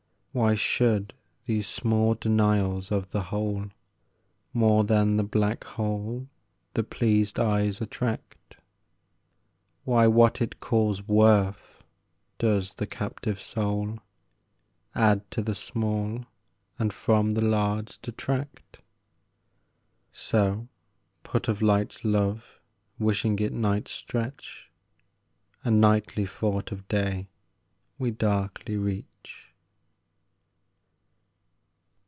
Why should these small denials of the whole More than the black whole the pleased eyes attract? Why what it calls «worth» does the captive soul Add to the small and from the large detract? So, put of light's love wishing it night's stretch, A nightly thought of day we darkly reach.